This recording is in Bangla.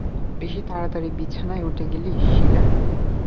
বেশি তাড়াতাড়ি বিছানায় উঠে গেলি, শিলা?